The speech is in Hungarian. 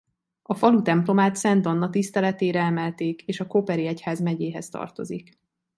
A falu templomát Szent Anna tiszteletére emelték és a Koperi egyházmegyéhez tartozik.